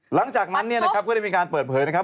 หลังจากนั้นเนี่ยนะครับก็ได้มีการเปิดเผยนะครับ